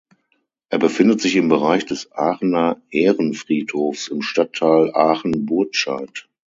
Er befindet sich im Bereich des Aachener Ehrenfriedhofs im Stadtteil Aachen-Burtscheid.